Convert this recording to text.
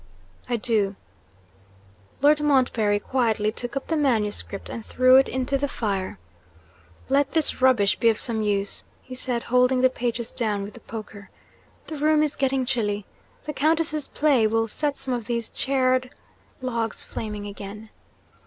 'I do.' Lord Montbarry quietly took up the manuscript, and threw it into the fire. 'Let this rubbish be of some use,' he said, holding the pages down with the poker. 'The room is getting chilly the Countess's play will set some of these charred logs flaming again.'